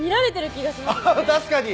確かに！